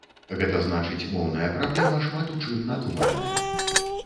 Гэта значыць моўная праблема шмат у чым надуманая.